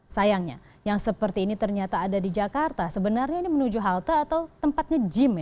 sayangnya yang seperti ini ternyata ada di jakarta sebenarnya ini menuju halte atau tempatnya gym ya